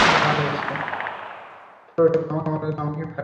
তোর ওই লোক আমাকে মারার জন্য আমাকেই ভাড়া করছে।